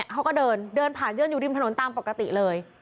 เขาก็เดินเดินผ่านเดินอยู่ริมถนนตามปกติเลย